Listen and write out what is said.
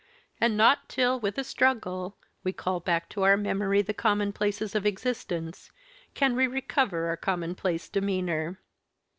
And not till, with a struggle, we call back to our memory the commonplaces of existence, can we recover our commonplace demeanor.